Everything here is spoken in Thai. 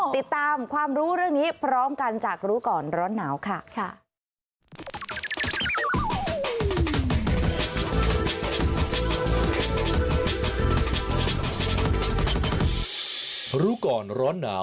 ติดตามความรู้เรื่องนี้พร้อมกันจากรู้ก่อนร้อนหนาวค่ะ